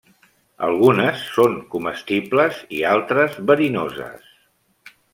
Algunes són comestibles i altres verinoses.